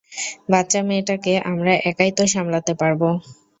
বাচ্চা মেয়েটাকে আমরা একাই তো সামলাতে পারবো!